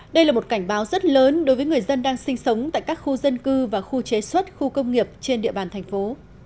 đây là một cảnh báo rất lớn đối với người dân đang sinh sống tại các khu dân cư và khu chế xuất khu công nghiệp trên địa bàn thành phố